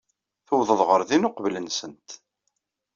Tuwḍeḍ ɣer din uqbel-nsent.